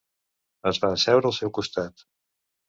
Es va asseure al seu costat.